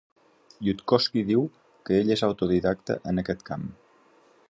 Yudkowsky diu que ell és autodidacta en aquest camp.